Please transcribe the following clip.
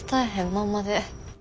まんまで。